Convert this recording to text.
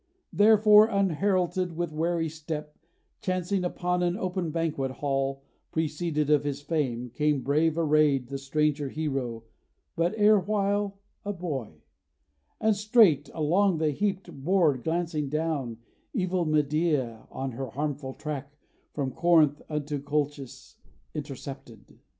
Therefore, unheralded, with wary step, Chancing upon an open banquet hall, Preceded of his fame, came brave arrayed The stranger hero, but erewhile a boy; And straight, along the heaped board glancing down, Evil Medea, on her harmful track From Corinth unto Colchis, intercepted.